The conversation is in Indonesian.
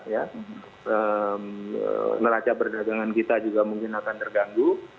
dan neraca perdagangan kita juga mungkin akan terganggu